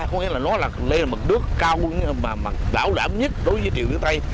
không nghĩ là nó là mực nước cao mà đảo đảm nhất đối với triều biển tây